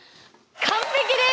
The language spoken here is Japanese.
完璧です！